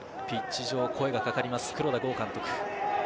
ピッチ上、声がかかります、黒田剛監督。